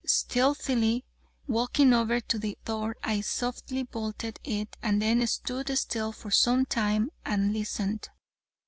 Stealthily walking over to the door, I softly bolted it and then stood still for some time and listened.